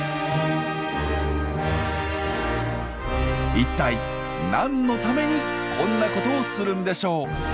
一体何のためにこんなことをするんでしょう？